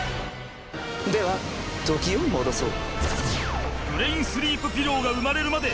では時を戻そう。